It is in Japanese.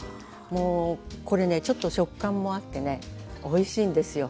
もうこれねちょっと食感もあってねおいしいんですよ。